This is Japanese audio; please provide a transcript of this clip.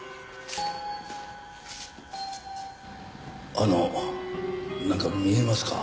あのなんか見えますか？